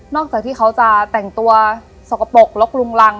จากที่เขาจะแต่งตัวสกปรกลกลุงรัง